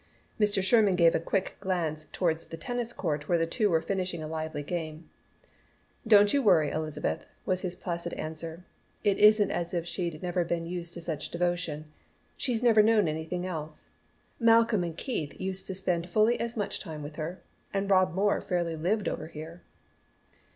Mr. Sherman gave a quick glance towards the tennis court where the two were finishing a lively game. "Don't you worry, Elizabeth," was his placid answer. "It isn't as if she'd never been used to such devotion. She's never known anything else. Malcolm and Keith used to spend fully as much time with her, and Rob Moore fairly lived over here."